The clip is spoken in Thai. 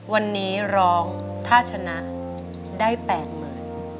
วันนี้ร้องถ้าชนะได้แปดหมื่น